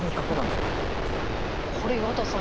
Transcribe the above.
これ岩田さん